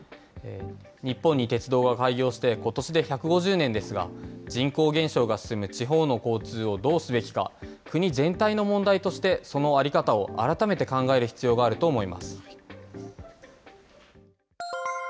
日本に鉄道が開業してことしで１５０年ですが、人口減少が進む地方の交通をどうすべきか、国全体の問題として、その在り方を改めて考える必要があると思います。